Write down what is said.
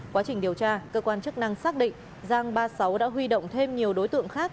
quá trình điều tra cơ quan chức năng xác định giang ba mươi sáu đã huy động thêm nhiều đối tượng khác